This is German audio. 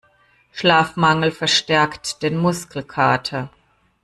Schlafmangel verstärkt den Muskelkater.